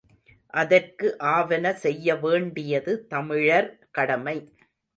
அதற்கு ஆவன செய்ய வேண்டியது தமிழர் கடமை.